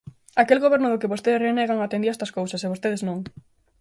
Aquel goberno do que vostedes renegan atendía estas cousas, e vostedes non.